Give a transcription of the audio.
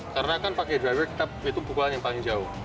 karena kan pakai driver itu pukulan yang paling jauh